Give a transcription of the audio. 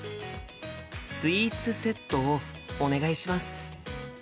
スイーツセットをお願いします。